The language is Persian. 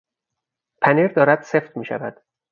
پنیر دارد سفت میشود.